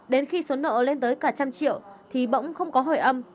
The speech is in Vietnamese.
đến khi số nợ lên tới cả trăm triệu thì bỗng không có hồi âm